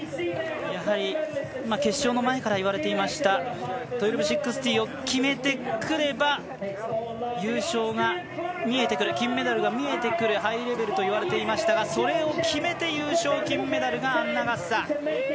やはり決勝の前からいわれていました１２６０を決めてくれば優勝が見えてくる金メダルが見えてくるハイレベルといわれていましたがそれを決めて優勝、金メダルがアンナ・ガッサー。